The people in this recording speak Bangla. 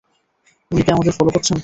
উনি কি আমাদের ফলো করছেন?